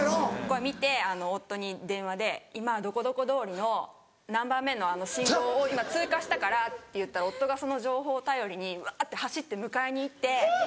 見て夫に電話で今どこどこ通りの何番目のあの信号を今通過したからって言ったら夫がその情報を頼りにわって走って迎えに行って。